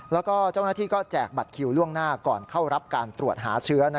แล้วก็เจ้าหน้าที่ก็แจกบัตรคิวล่วงหน้าก่อนเข้ารับการตรวจหาเชื้อ